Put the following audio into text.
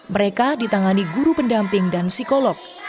mereka ditangani guru pendamping dan psikolog